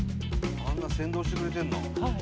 あんな先導してくれてるの？